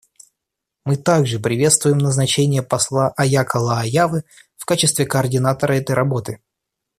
Мы также приветствуем назначение посла Яакко Лааявы в качестве координатора этой работы.